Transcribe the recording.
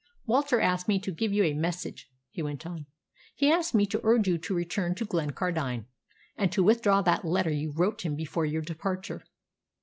"Walter asked me to give you a message," he went on. "He asked me to urge you to return to Glencardine, and to withdraw that letter you wrote him before your departure."